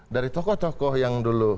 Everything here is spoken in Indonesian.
dari tokoh tokoh yang dulu